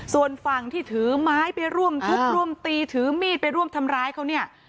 ส่วนฝั่งที่ถือไม้ไปร่วมทุบร่วมตีถือมีดไปร่วมทำร้ายเขาเนี่ย